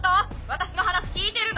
私の話聞いてるの？